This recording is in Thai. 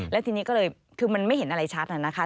แล้วทีนี้ก็เลยคือมันไม่เห็นอะไรชัดนะคะ